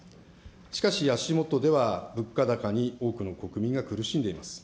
しかし、足もとでは物価高に多くの国民が苦しんでいます。